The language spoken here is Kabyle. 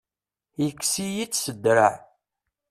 Yekkes-iyi-tt s draɛ.